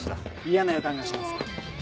嫌な予感がします。